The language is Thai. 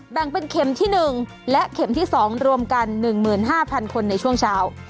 แบ่งเป็นเข็มที่๑และเข็มที่๒รวมกัน๑๕๐๐คนในช่วงเช้า